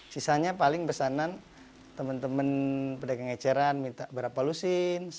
sisanya paling pesanan teman teman pedagang eceran minta berapa lusin